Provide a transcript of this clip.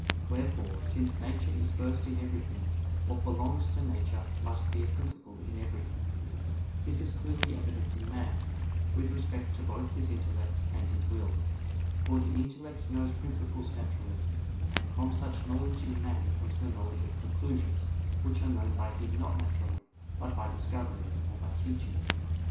Wherefore, since nature is first in everything, what belongs to nature must be a principle in everything. This is clearly evident in man, with respect to both his intellect and his will. For the intellect knows principles naturally; and from such knowledge in man comes the knowledge of conclusions, which are known by him not naturally, but by discovery, or by teaching.